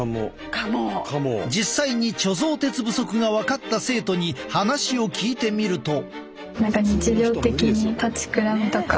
実際に貯蔵鉄不足が分かった生徒に話を聞いてみると。